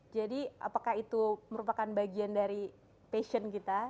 jadi apakah itu merupakan bagian dari passion kita